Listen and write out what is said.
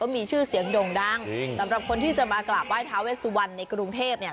มีชื่อเสียงโด่งดังจริงสำหรับคนที่จะมากราบไห้ทาเวสวันในกรุงเทพเนี่ย